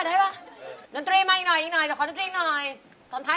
ดนตรีมาอีกหน่อยขอดนตรีอีกหน่อย